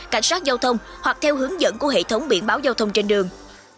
cảnh sát giao thông hoặc theo hướng dẫn của hệ thống biển báo giao thông trên đường